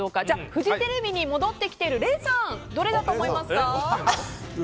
フジテレビに戻ってきている礼さんはどれだと思いますか？